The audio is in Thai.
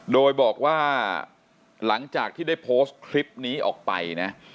โดยบอกว่าหลังจากที่ได้โพสต์คลิปนี้ออกไปนะ